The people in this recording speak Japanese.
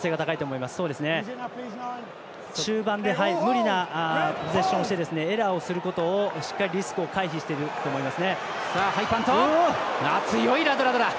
中盤で無理なポゼッションをしてエラーをすることを、しっかりリスクを回避していると思います。